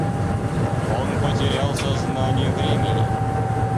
Он потерял сознание времени.